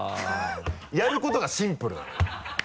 やることがシンプルなのよ。